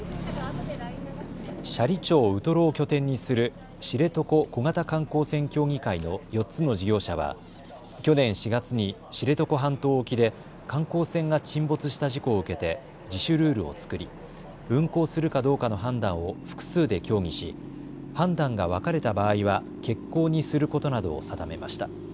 斜里町ウトロを拠点にする知床小型観光船協議会の４つの事業者は去年４月に知床半島沖で観光船が沈没した事故を受けて自主ルールを作り、運航するかどうかの判断を複数で協議し判断が分かれた場合は欠航にすることなどを定めました。